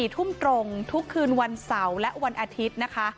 ๔ทุ่มตรงทุกคืนวันเสาร์และวันอาทิตย์นะคะ